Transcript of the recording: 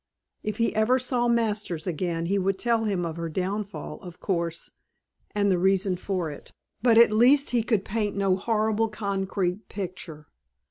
If he ever saw Masters again he would tell him of her downfall, of course and the reason for it; but at least he could paint no horrible concrete picture.